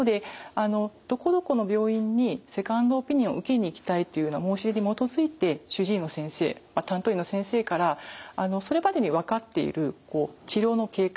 どこどこの病院にセカンドオピニオン受けに行きたいというような申し出に基づいて主治医の先生担当医の先生からそれまでに分かっている治療の経過